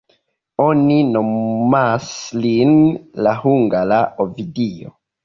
Oni nomumas lin "la hungara Ovidio".